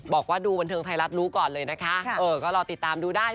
บอกว่าดูบันเทิงไทยรัฐรู้ก่อนเลยนะคะเออก็รอติดตามดูได้